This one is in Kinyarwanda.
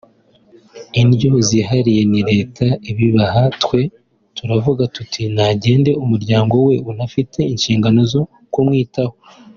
indyo zihariye ni Leta ibibaha… twe turavuga tuti ‘Nagende umuryango we unafite inshingano zo kumwitaho